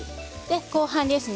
後半ですね。